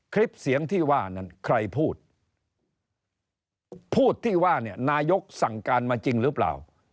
คลิปเสียงที่ว่านั้นใครพูดพูดที่ว่าเนี่ยนายกสั่งการมาจริงหรือเปล่า